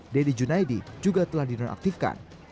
deddy junaidi juga telah dinonaktifkan